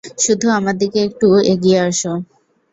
শুধু আমার দিকে একটু এগিয়ে আস।